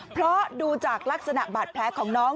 เพราะดูจากลักษณะบาดแผลของน้อง